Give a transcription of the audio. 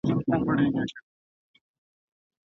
د صلحي عوض بايد ازاد انسان نه وي.